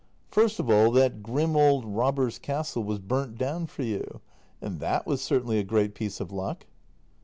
First of all that grim old robbers' castle was burnt down for you. And that was certainly a great piece of luck.